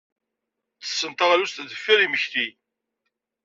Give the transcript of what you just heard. Ttessen taɣlust deffir yimekli.